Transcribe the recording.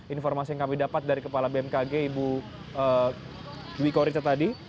informasi yang kami dapat dari kepala bmkg ibu dwi korita tadi